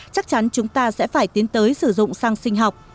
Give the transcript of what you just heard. chắc chắn chúng ta sẽ phải tiến tới sử dụng sang sinh học